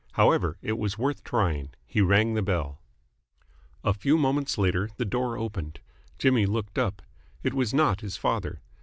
However, it was worth trying. He rang the bell. A few moments later the door opened. Jimmy looked up. It was not his father.